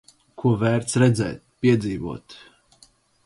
Ko vērts redzēt, piedzīvot.